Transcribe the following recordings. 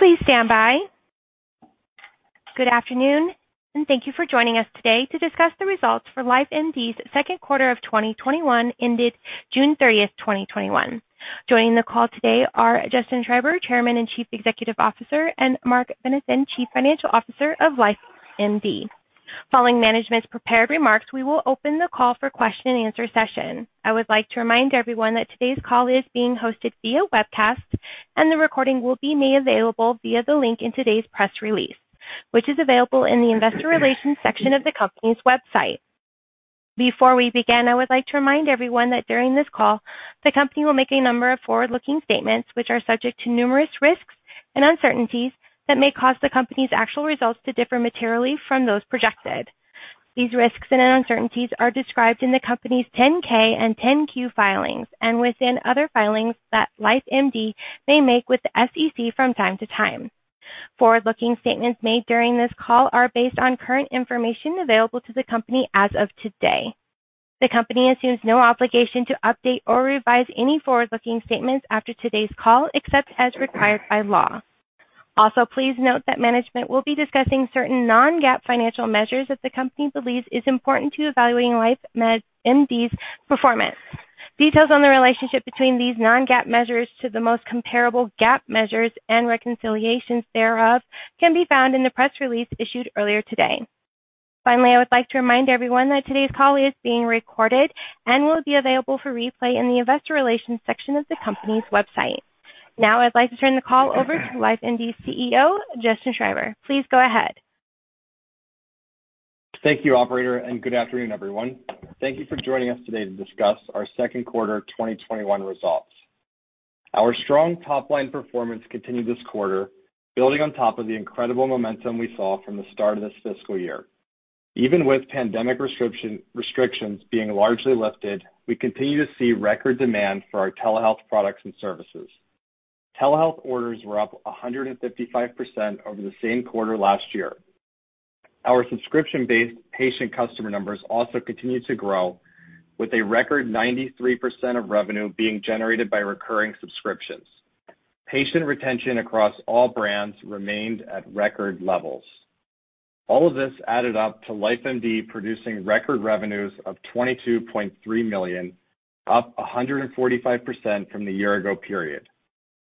Good afternoon, and thank you for joining us today to discuss the results for LifeMD's second quarter of 2021 ended June 30, 2021. Joining the call today are Justin Schreiber, Chairman and Chief Executive Officer, and Marc Benathen, Chief Financial Officer of LifeMD. Following management's prepared remarks, we will open the call for question and answer session. I would like to remind everyone that today's call is being hosted via webcast, and the recording will be made available via the link in today's press release, which is available in the investor relations section of the company's website. Before we begin, I would like to remind everyone that during this call, the company will make a number of forward-looking statements which are subject to numerous risks and uncertainties that may cause the company's actual results to differ materially from those projected. These risks and uncertainties are described in the company's 10-K and 10-Q filings and within other filings that LifeMD may make with the SEC from time to time. Forward-looking statements made during this call are based on current information available to the company as of today. The company assumes no obligation to update or revise any forward-looking statements after today's call, except as required by law. Also, please note that management will be discussing certain non-GAAP financial measures that the company believes is important to evaluating LifeMD's performance. Details on the relationship between these non-GAAP measures to the most comparable GAAP measures and reconciliations thereof can be found in the press release issued earlier today. Finally, I would like to remind everyone that today's call is being recorded and will be available for replay in the investor relations section of the company's website. Now I'd like to turn the call over to LifeMD's CEO, Justin Schreiber. Please go ahead. Thank you, operator, and good afternoon, everyone. Thank you for joining us today to discuss our second quarter 2021 results. Our strong top-line performance continued this quarter, building on top of the incredible momentum we saw from the start of this fiscal year. Even with pandemic restrictions being largely lifted, we continue to see record demand for our telehealth products and services. Telehealth orders were up 155% over the same quarter last year. Our subscription-based patient customer numbers also continued to grow with a record 93% of revenue being generated by recurring subscriptions. Patient retention across all brands remained at record levels. All of this added up to LifeMD producing record revenues of $22.3 million, up 145% from the year ago period.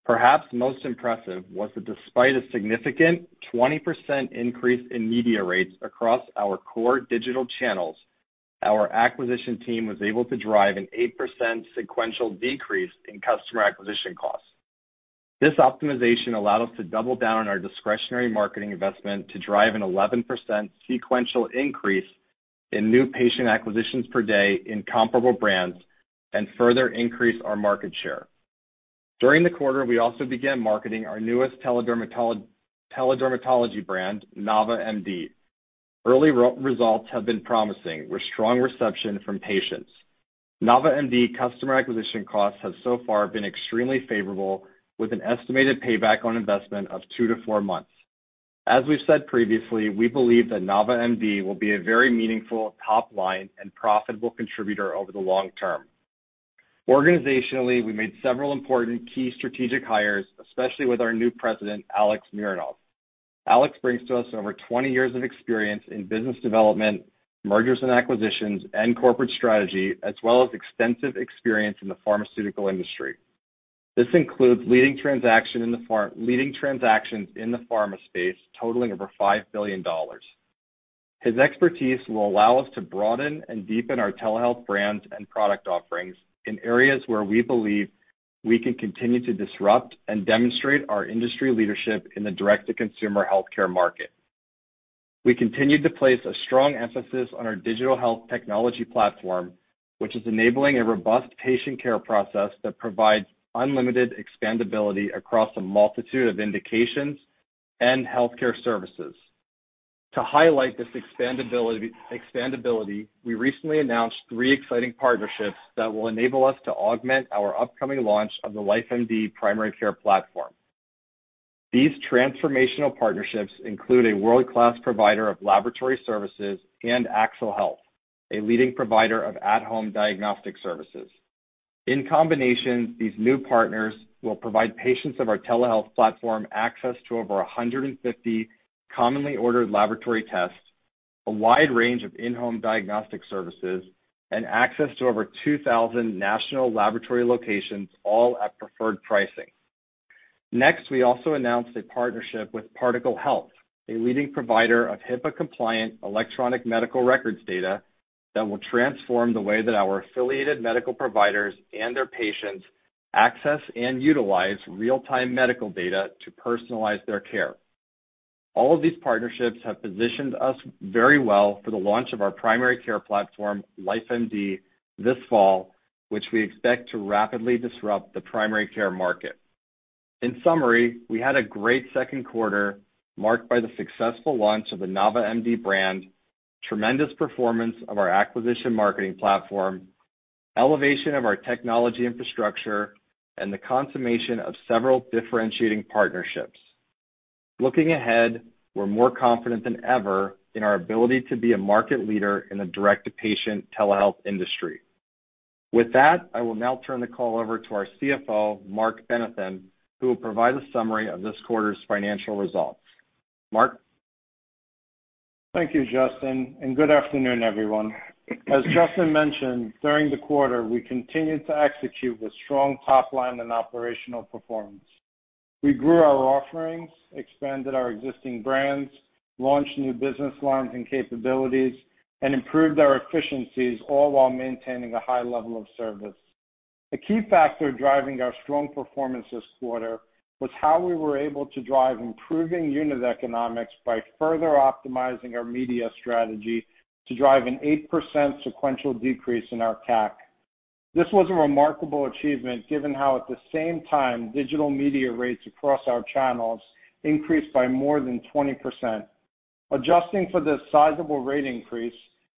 Perhaps most impressive was that despite a significant 20% increase in media rates across our core digital channels, our acquisition team was able to drive an 8% sequential decrease in customer acquisition costs. This optimization allowed us to double down on our discretionary marketing investment to drive an 11% sequential increase in new patient acquisitions per day in comparable brands and further increase our market share. During the quarter, we also began marketing our newest tele-dermatology brand, Nava MD. Early results have been promising, with strong reception from patients. Nava MD customer acquisition costs have so far been extremely favorable, with an estimated payback on investment of two to four months. As we've said previously, we believe that Nava MD will be a very meaningful top-line and profitable contributor over the long term. Organizationally, we made several important key strategic hires, especially with our new President, Alex Mironov. Alex brings to us over 20 years of experience in business development, mergers and acquisitions, and corporate strategy, as well as extensive experience in the pharmaceutical industry. This includes leading transactions in the pharma space totaling over $5 billion. His expertise will allow us to broaden and deepen our telehealth brands and product offerings in areas where we believe we can continue to disrupt and demonstrate our industry leadership in the direct-to-consumer healthcare market. We continued to place a strong emphasis on our digital health technology platform, which is enabling a robust patient care process that provides unlimited expandability across a multitude of indications and healthcare services. To highlight this expandability, we recently announced three exciting partnerships that will enable us to augment our upcoming launch of the LifeMD primary care platform. These transformational partnerships include a world-class provider of laboratory services and Axle Health, a leading provider of at-home diagnostic services. In combination, these new partners will provide patients of our telehealth platform access to over 150 commonly ordered laboratory tests, a wide range of in-home diagnostic services, and access to over 2,000 national laboratory locations, all at preferred pricing. We also announced a partnership with Particle Health, a leading provider of HIPAA-compliant electronic medical records data that will transform the way that our affiliated medical providers and their patients access and utilize real-time medical data to personalize their care. All of these partnerships have positioned us very well for the launch of our primary care platform, LifeMD, this fall, which we expect to rapidly disrupt the primary care market. In summary, we had a great second quarter marked by the successful launch of the Nava MD brand, tremendous performance of our acquisition marketing platform, elevation of our technology infrastructure, and the consummation of several differentiating partnerships. Looking ahead, we're more confident than ever in our ability to be a market leader in the direct-to-patient telehealth industry. With that, I will now turn the call over to our CFO, Marc Benathen, who will provide a summary of this quarter's financial results. Marc? Thank you, Justin, and good afternoon, everyone. As Justin mentioned, during the quarter, we continued to execute with strong top line and operational performance. We grew our offerings, expanded our existing brands, launched new business lines and capabilities, and improved our efficiencies, all while maintaining a high level of service. A key factor driving our strong performance this quarter was how we were able to drive improving unit economics by further optimizing our media strategy to drive an 8% sequential decrease in our CAC. This was a remarkable achievement, given how at the same time, digital media rates across our channels increased by more than 20%. Adjusting for this sizable rate increase,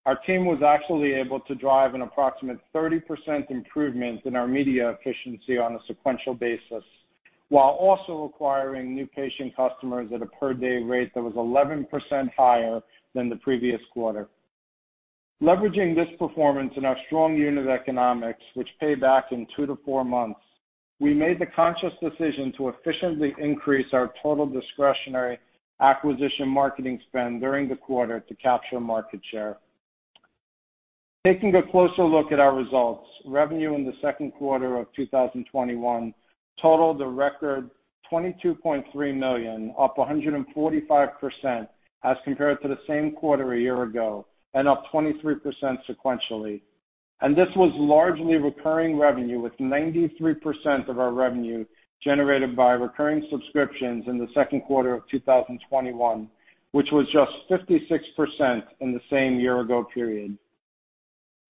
our team was actually able to drive an approximate 30% improvement in our media efficiency on a sequential basis, while also acquiring new patient customers at a per-day rate that was 11% higher than the previous quarter. Leveraging this performance and our strong unit economics, which pay back in two-four months, we made the conscious decision to efficiently increase our total discretionary acquisition marketing spend during the quarter to capture market share. Taking a closer look at our results. Revenue in the second quarter of 2021 totaled a record $22.3 million, up 145% as compared to the same quarter a year ago, up 23% sequentially. This was largely recurring revenue, with 93% of our revenue generated by recurring subscriptions in the second quarter of 2021, which was just 56% in the same year-ago period.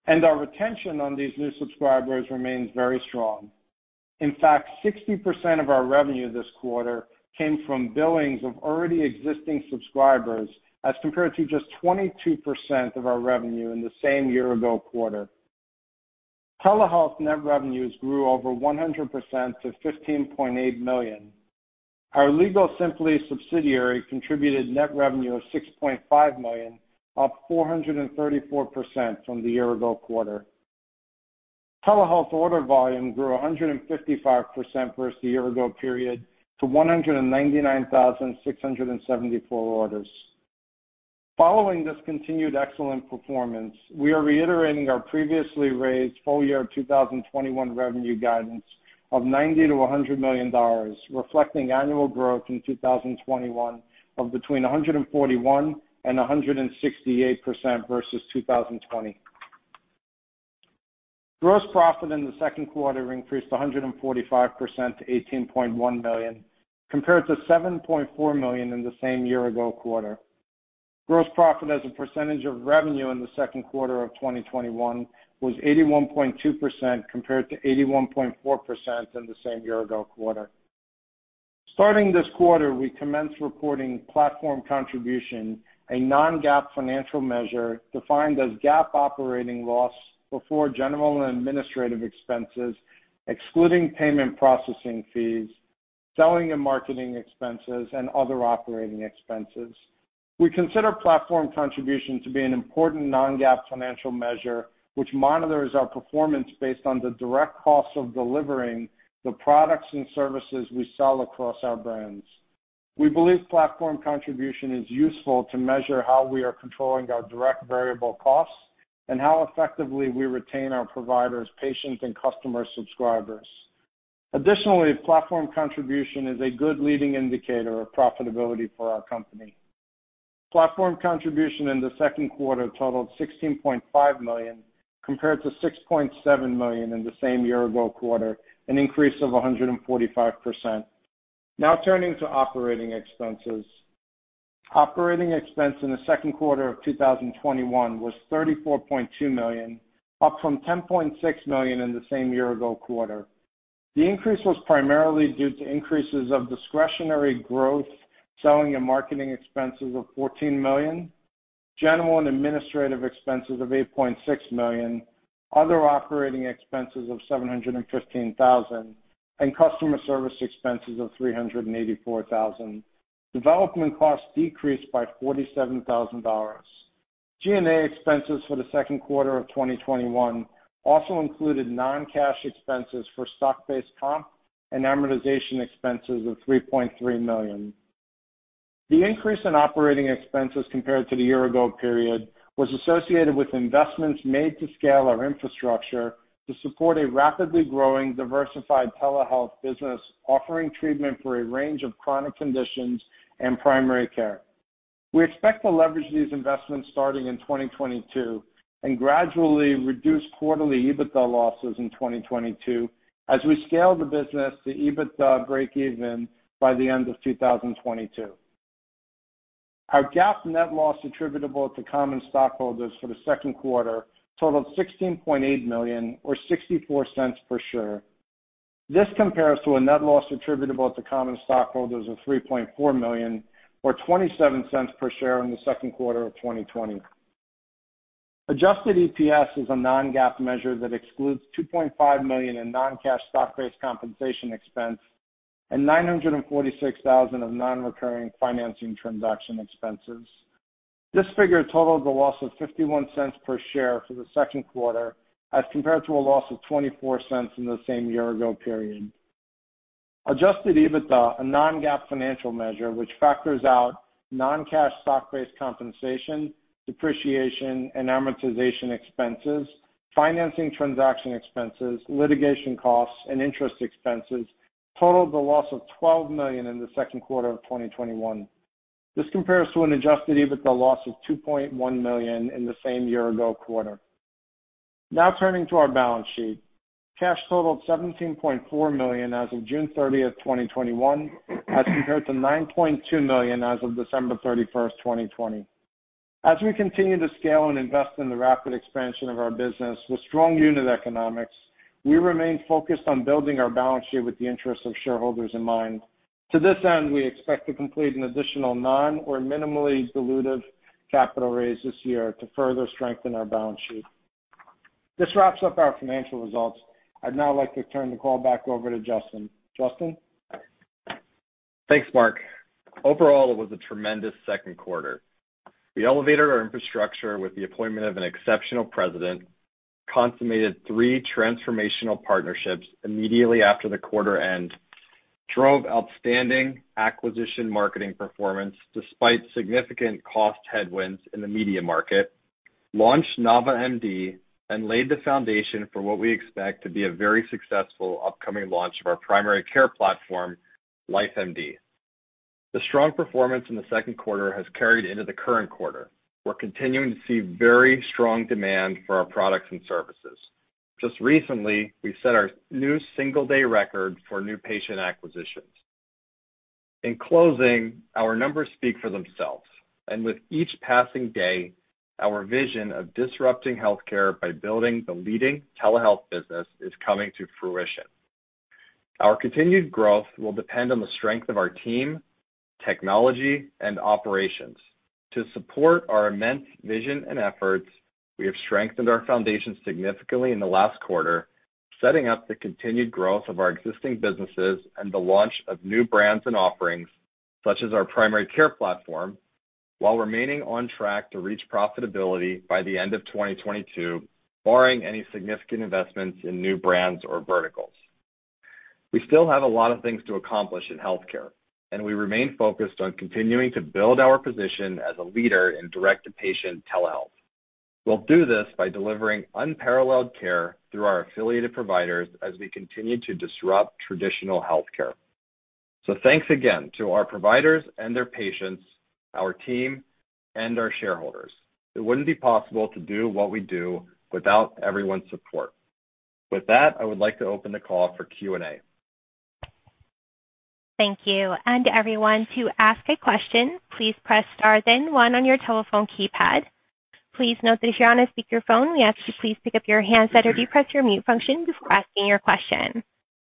Our retention on these new subscribers remains very strong. In fact, 60% of our revenue this quarter came from billings of already existing subscribers as compared to just 22% of our revenue in the same year-ago quarter. Telehealth net revenues grew over 100% to $15.8 million. Our WorkSimpli subsidiary contributed net revenue of $6.5 million, up 434% from the year-ago quarter. Telehealth order volume grew 155% versus the year-ago period to 199,674 orders. Following this continued excellent performance, we are reiterating our previously raised full-year 2021 revenue guidance of $90 million-$100 million, reflecting annual growth in 2021 of between 141% and 168% versus 2020. Gross profit in the second quarter increased 145% to $18.1 million, compared to $7.4 million in the same year-ago quarter. Gross profit as a percentage of revenue in the second quarter of 2021 was 81.2%, compared to 81.4% in the same year-ago quarter. Starting this quarter, we commenced reporting Platform Contribution, a non-GAAP financial measure defined as GAAP operating loss before general and administrative expenses, excluding payment processing fees, selling and marketing expenses, and other operating expenses. We consider Platform Contribution to be an important non-GAAP financial measure, which monitors our performance based on the direct cost of delivering the products and services we sell across our brands. We believe Platform Contribution is useful to measure how we are controlling our direct variable costs and how effectively we retain our providers, patients, and customer subscribers. Additionally, Platform Contribution is a good leading indicator of profitability for our company. Platform Contribution in the second quarter totaled $16.5 million, compared to $6.7 million in the same year-ago quarter, an increase of 145%. Turning to operating expenses. Operating expense in the second quarter of 2021 was $34.2 million, up from $10.6 million in the same year-ago quarter. The increase was primarily due to increases of discretionary growth, selling and marketing expenses of $14 million, general and administrative expenses of $8.6 million, other operating expenses of $715,000, and customer service expenses of $384,000. Development costs decreased by $47,000. G&A expenses for the second quarter of 2021 also included non-cash expenses for stock-based comp and amortization expenses of $3.3 million. The increase in operating expenses compared to the year-ago period was associated with investments made to scale our infrastructure to support a rapidly growing, diversified telehealth business offering treatment for a range of chronic conditions and primary care. We expect to leverage these investments starting in 2022 and gradually reduce quarterly EBITDA losses in 2022 as we scale the business to EBITDA breakeven by the end of 2022. Our GAAP net loss attributable to common stockholders for the second quarter totaled $16.8 million, or $0.64 per share. This compares to a net loss attributable to common stockholders of $3.4 million, or $0.27 per share in the second quarter of 2020. Adjusted EPS is a non-GAAP measure that excludes $2.5 million in non-cash stock-based compensation expense and $946,000 of non-recurring financing transaction expenses. This figure totals a loss of $0.51 per share for the second quarter as compared to a loss of $0.24 in the same year ago period. Adjusted EBITDA, a non-GAAP financial measure, which factors out non-cash stock-based compensation, depreciation, and amortization expenses, financing transaction expenses, litigation costs, and interest expenses totaled a loss of $12 million in the second quarter of 2021. This compares to an adjusted EBITDA loss of $2.1 million in the same year ago quarter. Now turning to our balance sheet. Cash totaled $17.4 million as of June 30th, 2021, as compared to $9.2 million as of December 31st, 2020. As we continue to scale and invest in the rapid expansion of our business with strong unit economics, we remain focused on building our balance sheet with the interest of shareholders in mind. To this end, we expect to complete an additional non or minimally dilutive capital raise this year to further strengthen our balance sheet. This wraps up our financial results. I'd now like to turn the call back over to Justin. Justin? Thanks, Marc. Overall, it was a tremendous second quarter. We elevated our infrastructure with the appointment of an exceptional president, consummated three transformational partnerships immediately after the quarter end, drove outstanding acquisition marketing performance despite significant cost headwinds in the media market, launched Nava MD, and laid the foundation for what we expect to be a very successful upcoming launch of our primary care platform, LifeMD. The strong performance in the second quarter has carried into the current quarter. We're continuing to see very strong demand for our products and services. Just recently, we set our new single-day record for new patient acquisitions. In closing, our numbers speak for themselves, and with each passing day, our vision of disrupting healthcare by building the leading telehealth business is coming to fruition. Our continued growth will depend on the strength of our team, technology, and operations. To support our immense vision and efforts, we have strengthened our foundation significantly in the last quarter, setting up the continued growth of our existing businesses and the launch of new brands and offerings, such as our primary care platform, while remaining on track to reach profitability by the end of 2022, barring any significant investments in new brands or verticals. We still have a lot of things to accomplish in healthcare, and we remain focused on continuing to build our position as a leader in direct-to-patient telehealth. We'll do this by delivering unparalleled care through our affiliated providers as we continue to disrupt traditional healthcare. Thanks again to our providers and their patients, our team, and our shareholders. It wouldn't be possible to do what we do without everyone's support. With that, I would like to open the call for Q&A. Thank you. Everyone, to ask a question, please press star then one on your telephone keypad. Please note that if you're on a speakerphone, we ask you to please pick up your handset or depress your mute function before asking your question.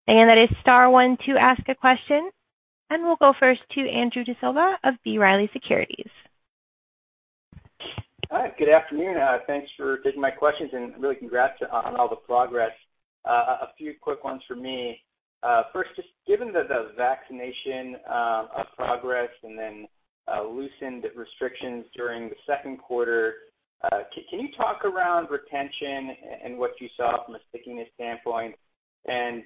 Again, that is star one to ask a question. We'll go first to Andrew D'Silva of B. Riley Securities. Hi. Good afternoon. Thanks for taking my questions and really congrats on all the progress. A few quick ones from me. First, just given the vaccination progress and then loosened restrictions during the second quarter, can you talk around retention and what you saw from a stickiness standpoint? Is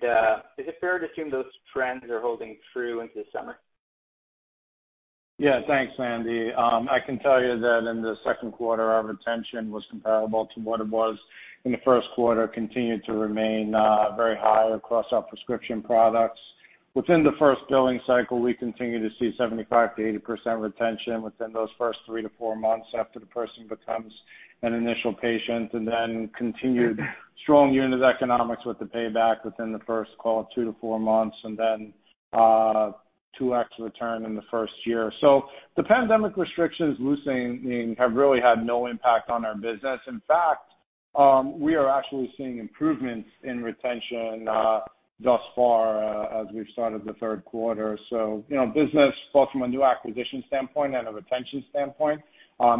it fair to assume those trends are holding true into summer? Yeah. Thanks, Andy. I can tell you that in the second quarter, our retention was comparable to what it was in the first quarter, continued to remain very high across our prescription products. Within the first billing cycle, we continue to see 75%-80% retention within those first three to four months after the person becomes an initial patient, and then continued strong unit economics with the payback within the first, call it two to four months, and then 2x return in the first year. The pandemic restrictions loosening have really had no impact on our business. In fact, we are actually seeing improvements in retention thus far as we've started the third quarter. Business, both from a new acquisition standpoint and a retention standpoint,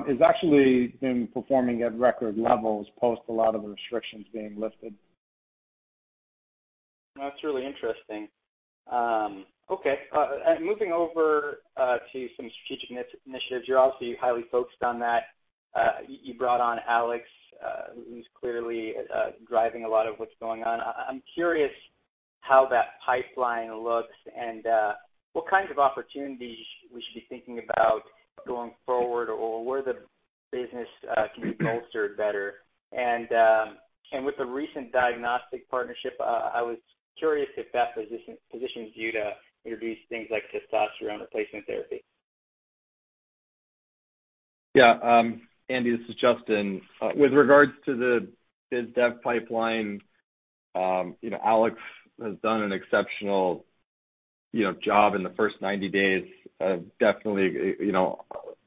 is actually been performing at record levels post a lot of the restrictions being lifted. That's really interesting. Okay. Moving over to some strategic initiatives. You're obviously highly focused on that. You brought on Alex, who's clearly driving a lot of what's going on. I'm curious how that pipeline looks and what kinds of opportunities we should be thinking about going forward or where the business can be bolstered better. With the recent diagnostic partnership, I was curious if that positions you to introduce things like testosterone replacement therapy. Yeah. Andy, this is Justin. With regards to the biz dev pipeline, Alex has done an exceptional job in the first 90 days. Definitely,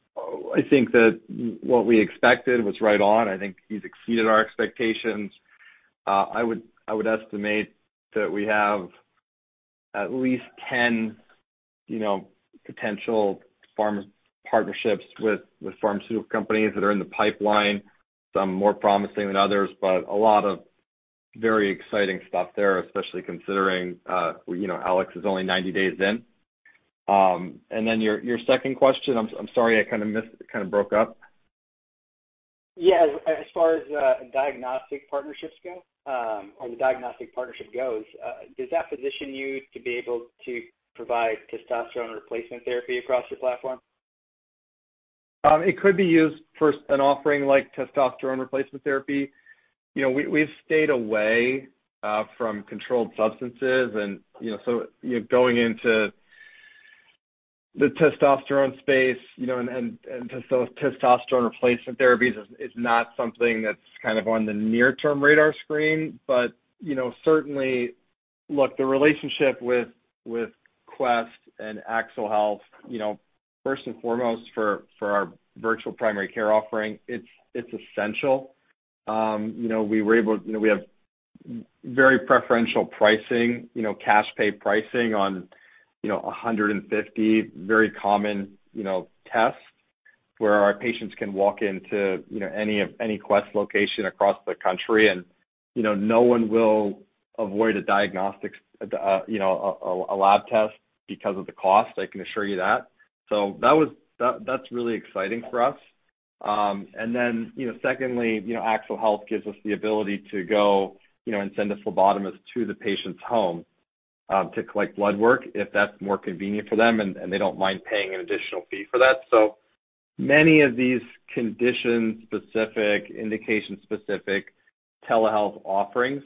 I think that what we expected was right on. I think he's exceeded our expectations. I would estimate that we have at least 10 potential partnerships with pharmaceutical companies that are in the pipeline. Some more promising than others, but a lot of very exciting stuff there, especially considering Alex is only 90 days in. Your second question, I'm sorry, it kind of broke up. Yeah, as far as the diagnostic partnership goes, does that position you to be able to provide testosterone replacement therapy across your platform? It could be used for an offering like testosterone replacement therapy. We've stayed away from controlled substances, and so going into the testosterone space and testosterone replacement therapies is not something that's on the near term radar screen. Certainly, look, the relationship with Quest and Axle Health, first and foremost, for our virtual primary care offering, it's essential. We have very preferential pricing, cash pay pricing on 150 very common tests where our patients can walk into any Quest location across the country and no one will avoid a diagnostics, a lab test because of the cost, I can assure you that. That's really exciting for us. Then secondly, Axle Health gives us the ability to go and send a phlebotomist to the patient's home to collect blood work if that's more convenient for them and they don't mind paying an additional fee for that. Many of these condition-specific, indication-specific telehealth offerings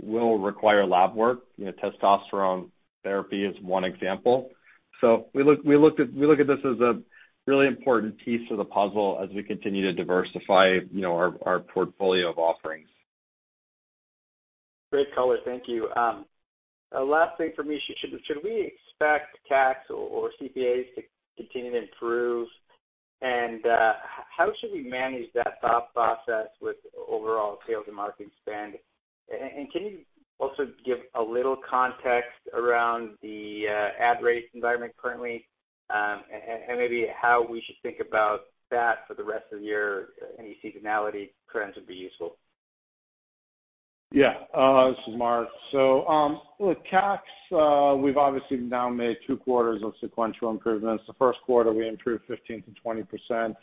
will require lab work. Testosterone therapy is one example. We look at this as a really important piece of the puzzle as we continue to diversify our portfolio of offerings. Great color. Thank you. Last thing for me, should we expect CACs or CACs to continue to improve? How should we manage that thought process with overall sales and marketing spend? Can you also give a little context around the ad rate environment currently and maybe how we should think about that for the rest of the year? Any seasonality trends would be useful. Yeah. This is Marc. Look, CACs, we've obviously now made two quarters of sequential improvements. The first quarter, we improved 15%-20%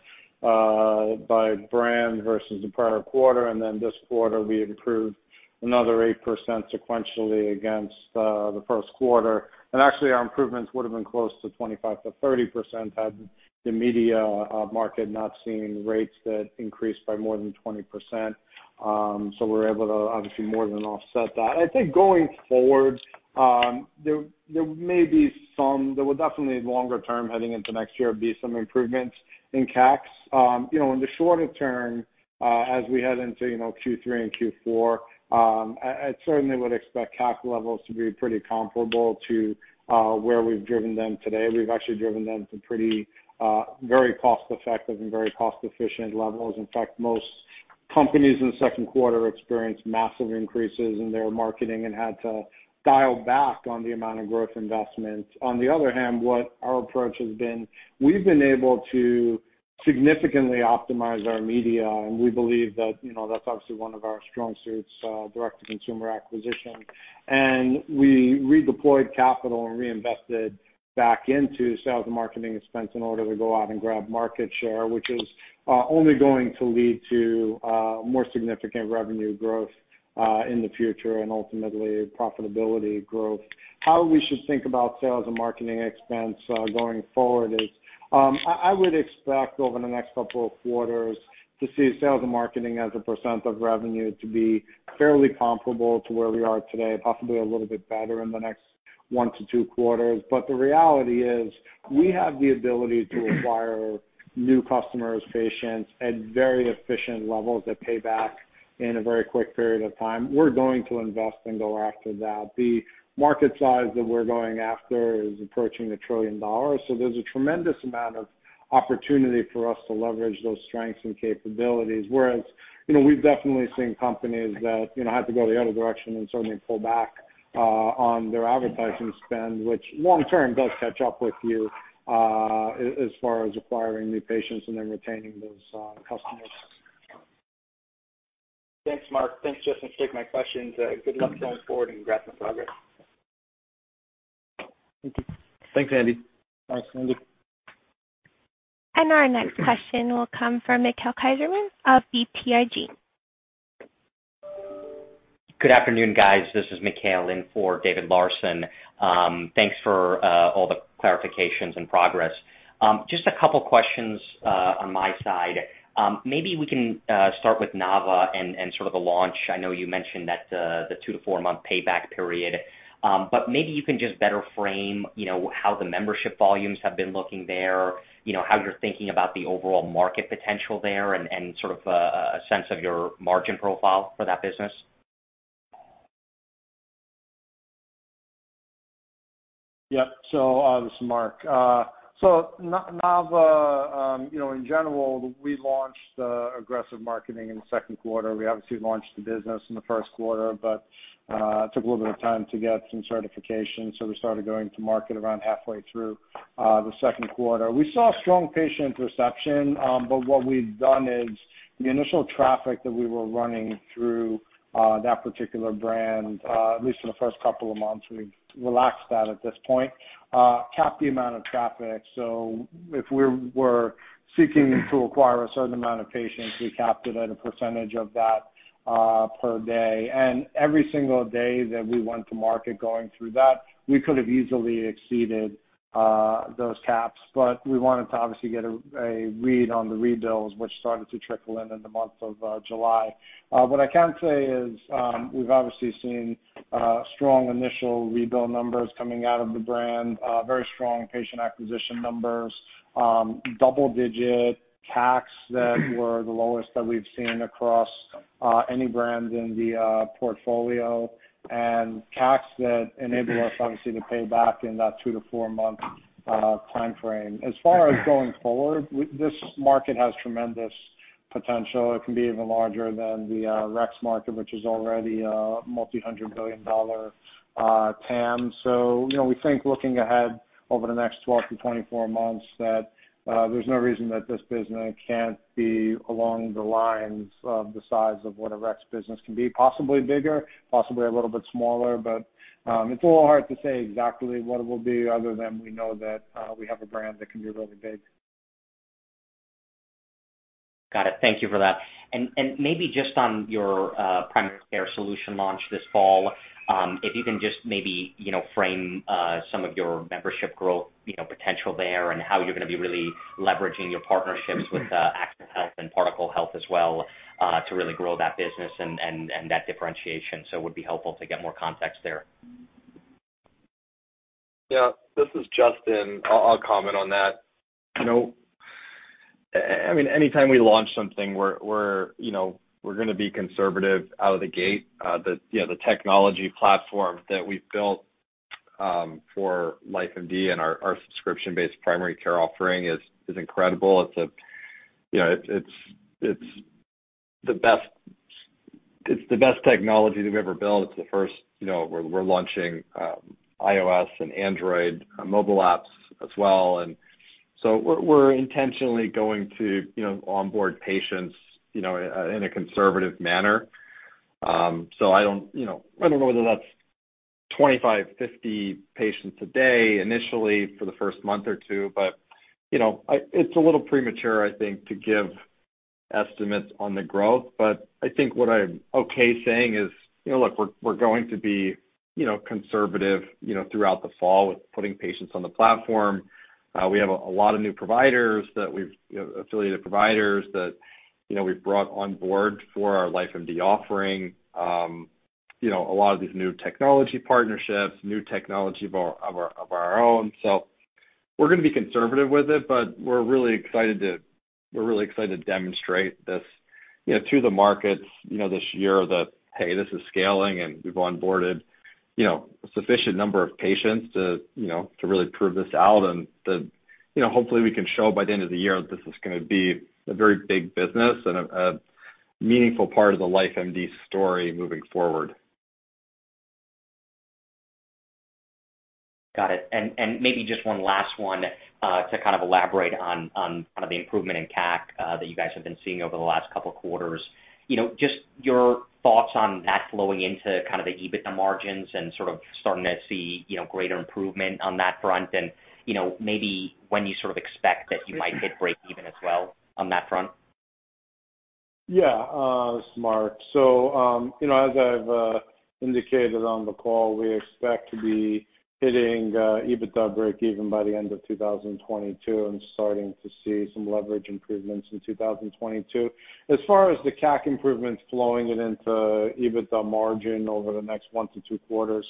by brand versus the prior quarter. This quarter, we improved another 8% sequentially against the first quarter. Our improvements would've been close to 25%-30% had the media market not seen rates that increased by more than 20%. We were able to obviously more than offset that. I think going forward, there will definitely longer term, heading into next year, be some improvements in CACs. In the shorter term, as we head into Q3 and Q4, I certainly would expect CAC levels to be pretty comparable to where we've driven them today. We've actually driven them to very cost-effective and very cost-efficient levels. In fact, most companies in the second quarter experienced massive increases in their marketing and had to dial back on the amount of growth investments. What our approach has been, we've been able to significantly optimize our media, and we believe that that's obviously one of our strong suits, direct-to-consumer acquisition. We redeployed capital and reinvested back into sales and marketing expense in order to go out and grab market share, which is only going to lead to more significant revenue growth in the future and ultimately profitability growth. How we should think about sales and marketing expense going forward is, I would expect over the next couple of quarters to see sales and marketing as a % of revenue to be fairly comparable to where we are today, possibly a little bit better in the next one-two quarters. The reality is, we have the ability to acquire new customers, patients, at very efficient levels that pay back in a very quick period of time. We're going to invest and go after that. The market size that we're going after is approaching $1 trillion. There's a tremendous amount of opportunity for us to leverage those strengths and capabilities. We've definitely seen companies that have to go the other direction and certainly pull back on their advertising spend, which long term does catch up with you, as far as acquiring new patients and then retaining those customers. Thanks, Marc. Thanks, Justin. Thanks for taking my questions. Good luck going forward, and congrats on progress. Thank you. Thanks, Andy. Thanks, Andy. Our next question will come from Mikhail Keyserman of BTIG. Good afternoon, guys. This is Mikhail in for David Larsen. Thanks for all the clarifications and progress. Just a couple questions on my side. Maybe we can start with Nava and sort of the launch. I know you mentioned the two-four month payback period. Maybe you can just better frame how the membership volumes have been looking there, how you're thinking about the overall market potential there, and sort of a sense of your margin profile for that business. Yep. This is Marc. Nava, in general, we launched aggressive marketing in the second quarter. We obviously launched the business in the first quarter, but took a little bit of time to get some certification. We started going to market around halfway through the second quarter. We saw strong patient reception. What we've done is the initial traffic that we were running through that particular brand, at least for the first couple of months, we've relaxed that at this point, capped the amount of traffic. If we're seeking to acquire a certain amount of patients, we capped it at a percentage of that per day. Every single day that we went to market going through that, we could have easily exceeded those caps. We wanted to obviously get a read on the rebills, which started to trickle in in the month of July. What I can say is we've obviously seen strong initial rebill numbers coming out of the brand, very strong patient acquisition numbers, double-digit CACs that were the lowest that we've seen across any brands in the portfolio, and CACs that enable us, obviously, to pay back in that two to four-month timeframe. As far as going forward, this market has tremendous potential. It can be even larger than the Rex market, which is already a dollar multi-hundred billion TAM. We think looking ahead over the next 12 to 24 months, that there's no reason that this business can't be along the lines of the size of what a Rex business can be. Possibly bigger, possibly a little bit smaller. It's a little hard to say exactly what it will be other than we know that we have a brand that can be really big. Got it. Thank you for that. Maybe just on your primary care solution launch this fall, if you can just maybe frame some of your membership growth potential there and how you're going to be really leveraging your partnerships with Axle Health and Particle Health as well to really grow that business and that differentiation. It would be helpful to get more context there. Yeah. This is Justin. I'll comment on that. Anytime we launch something, we're going to be conservative out of the gate. The technology platform that we've built for LifeMD and our subscription-based primary care offering is incredible. It's the best technology that we've ever built. We're launching iOS and Android mobile apps as well. We're intentionally going to onboard patients in a conservative manner. I don't know whether that's 25, 50 patients a day initially for the first month or two, but it's a little premature, I think, to give estimates on the growth. I think what I'm okay saying is, look, we're going to be conservative throughout the fall with putting patients on the platform. We have a lot of new providers, affiliated providers that we've brought on board for our LifeMD offering. A lot of these new technology partnerships, new technology of our own. We're going to be conservative with it, but we're really excited to demonstrate this to the markets this year that, hey, this is scaling, and we've onboarded a sufficient number of patients to really prove this out. Hopefully we can show by the end of the year that this is going to be a very big business and a meaningful part of the LifeMD story moving forward. Got it. Maybe just one last one to kind of elaborate on the improvement in CAC that you guys have been seeing over the last couple of quarters. Just your thoughts on that flowing into kind of the EBITDA margins and sort of starting to see greater improvement on that front and maybe when you sort of expect that you might hit break even as well on that front? This is Marc. As I've indicated on the call, we expect to be hitting EBITDA breakeven by the end of 2022 and starting to see some leverage improvements in 2022. As far as the CAC improvements flowing it into EBITDA margin over the next one-two quarters,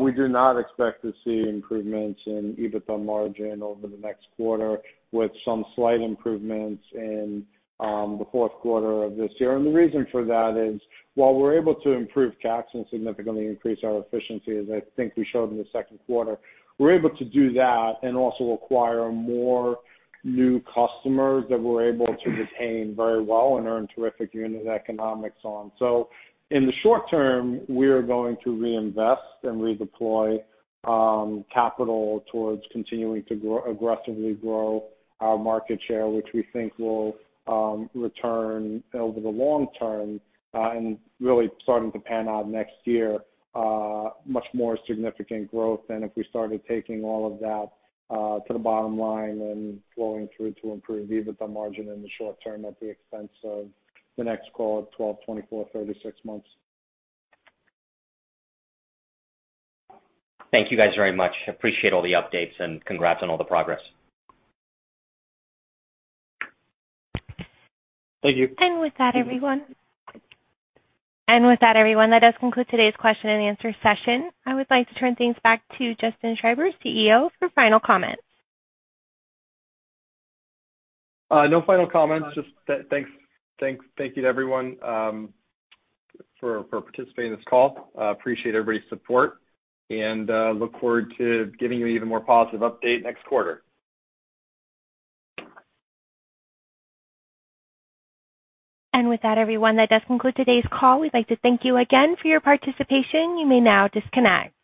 we do not expect to see improvements in EBITDA margin over the next quarter, with some slight improvements in the fourth quarter of this year. The reason for that is, while we're able to improve CACs and significantly increase our efficiency, as I think we showed in the second quarter, we're able to do that and also acquire more new customers that we're able to retain very well and earn terrific unit economics on. In the short term, we are going to reinvest and redeploy capital towards continuing to aggressively grow our market share, which we think will return over the long term and really starting to pan out next year, much more significant growth than if we started taking all of that to the bottom line and flowing through to improve EBITDA margin in the short term at the expense of the next call at 12, 24, 36 months. Thank you guys very much. Appreciate all the updates and congrats on all the progress. Thank you. With that everyone, that does conclude today's question and answer session. I would like to turn things back to Justin Schreiber, CEO, for final comments. No final comments. Just thank you to everyone for participating in this call. Appreciate everybody's support and look forward to giving you an even more positive update next quarter. With that, everyone, that does conclude today's call. We'd like to thank you again for your participation. You may now disconnect.